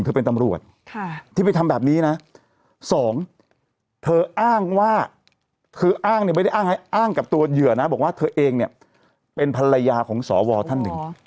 ธรรหมดที่ไปทำแบบนี้นะ๒เธออ้างว่าคืออ้างโง่ไม่อ้างให้อ้างกับตัวเหยื่อนะบอกว่าเธอเองเนี่ยเป็นภาระยาของสวทั่น